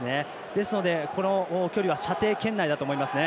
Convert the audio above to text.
ですので、この距離は射程圏内だと思いますね。